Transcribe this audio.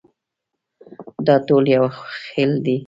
دا ټول یو خېل دي.